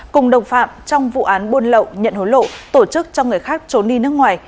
cùng đồng phạm trong vụ án buôn lậu nhận hối lộ tổ chức cho người khác trốn đi nước ngoài